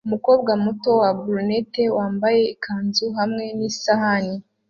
Umukobwa muto wa brunette wambaye ikanzu hamwe nisahani